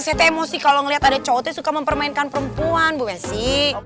saya tuh emosi kalau ngelihat ada cowoknya suka mempermainkan perempuan bu messi